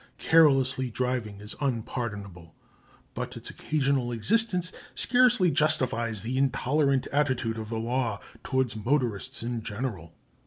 Careless driving is unpardonable, but its occasional existence scarcely justifies the intolerant attitude of the law towards motorists in general.